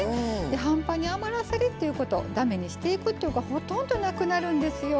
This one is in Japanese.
半端に余らせるっていうこと駄目にしていくってことほとんどなくなるんですよ。